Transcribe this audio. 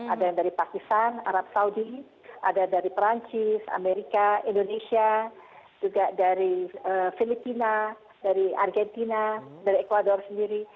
ada yang dari pakistan arab saudi ada dari perancis amerika indonesia juga dari filipina dari argentina dari ecuador sendiri